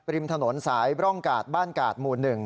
ริมถนนสายบร่องกาดบ้านกาดหมู่๑